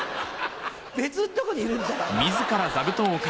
別のとこにいるんだよ！